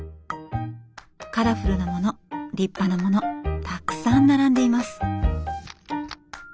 カラフルなもの立派なものたくさん並んでいます。